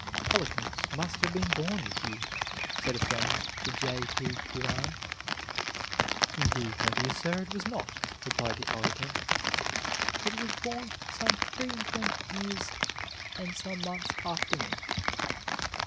"Eloquence must have been born with you," said a friend to J. P. Curran. "Indeed, my dear sir, it was not," replied the orator; "it was born some three and twenty years and some months after me."